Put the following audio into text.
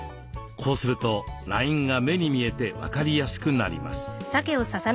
こうするとラインが目に見えて分かりやすくなります。